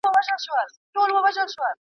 پیغام ته لومړۍ درجه او کلماتو !.